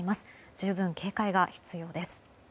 十分警戒が必要です。